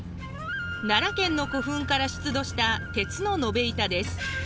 奈良県の古墳から出土した鉄の延べ板です。